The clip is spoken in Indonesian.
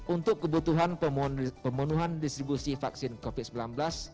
untuk kebutuhan pemenuhan distribusi vaksin covid sembilan belas